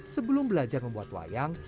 sebelum belajar membuat wayang